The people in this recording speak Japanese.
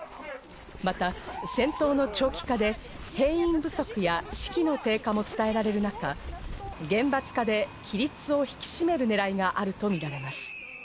また戦闘の長期化で、兵員不足や士気の低下も伝えられる中、厳罰化で規律を引き締めるねらいがあるとみられます。